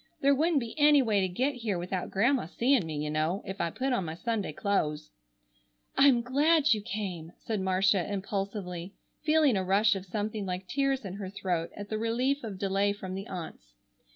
There wouldn't be any way to get here without Grandma seeing me, you know, if I put on my Sunday clo'es." "I'm glad you came!" said Marcia impulsively, feeling a rush of something like tears in her throat at the relief of delay from the aunts.